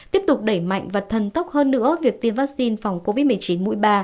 tiếp tục đẩy mạnh và thân tốc hơn nữa việc tiêm vaccine phòng covid một mươi chín mũi ba